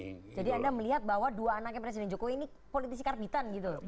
jadi anda melihat bahwa dua anaknya presiden jokowi ini politisi karbitan gitu